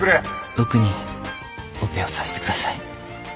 僕にオペをさせてください。